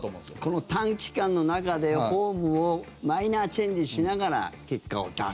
この短期間の中でフォームをマイナーチェンジしながら結果を出す。